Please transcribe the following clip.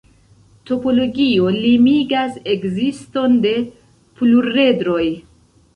Topologio limigas ekziston de pluredroj.